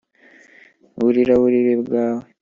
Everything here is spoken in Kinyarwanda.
wurira uburiri bwawe